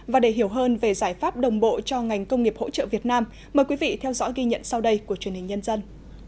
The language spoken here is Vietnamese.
và để hiểu hơn về giải pháp đồng bộ cho ngành công nghiệp hỗ trợ việt nam mời quý vị theo dõi ghi nhận sau đây của truyền hình nhân dân